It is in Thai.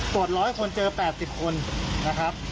๑๐๐คนเจอ๘๐คนนะครับ